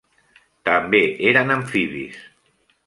També eren amfibis.